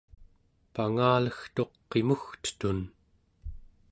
pangalegtuq qimugtetun